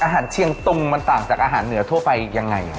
เชียงตุงมันต่างจากอาหารเหนือทั่วไปยังไง